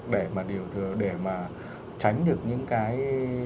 để mà điều thường để mà tránh được những cái